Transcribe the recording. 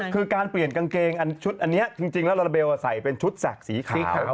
คือการเปลี่ยนกางเกงชุดอันนี้จริงแล้วลาลาเบลใส่เป็นชุดแสกสีขาว